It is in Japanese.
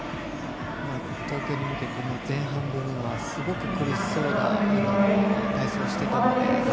東京に向けての前半部分はすごく苦しそうな体操をしていたので。